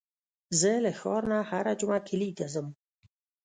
زه له ښار نه هره جمعه کلي ته ځم.